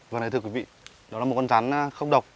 vâng này thưa quý vị đó là một con rán không độc